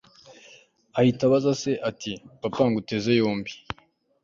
ahita abaza se ati papanguteze yombi